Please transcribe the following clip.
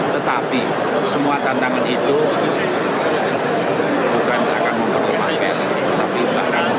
tetapi semua tantangan itu bukan akan memperlepas tetapi akan memperkuat